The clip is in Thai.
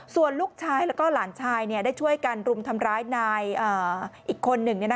ส่วนลูกชายแล้วก็หลานชายได้ช่วยกันรุมทำร้ายนายอีกคนหนึ่ง